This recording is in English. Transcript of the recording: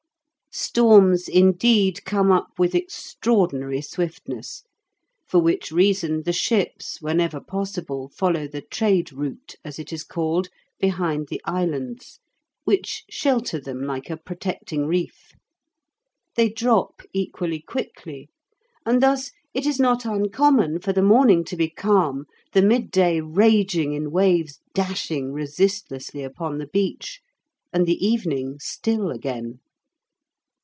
Storms, indeed, come up with extraordinary swiftness, for which reason the ships, whenever possible, follow the trade route, as it is called, behind the islands, which shelter them like a protecting reef. They drop equally quickly, and thus it is not uncommon for the morning to be calm, the midday raging in waves dashing resistlessly upon the beach, and the evening still again.